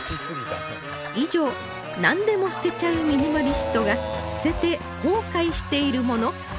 以上なんでも捨てちゃうミニマリストが捨てて後悔しているもの